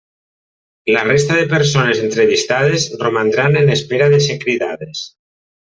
La resta de persones entrevistades romandran en espera de ser cridades.